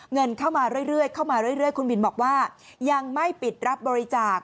เงินเข้ามาเรื่อยคุณบินบอกว่ายังไม่ปิดรับบริจาค